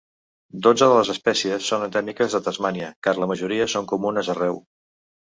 Dotze de les espècies són endèmiques de Tasmània, car la majoria són comunes arreu.